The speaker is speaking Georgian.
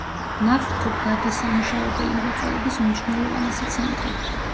ნავთობგადასამუშავებელი მრეწველობის უმნიშვნელოვანესი ცენტრი.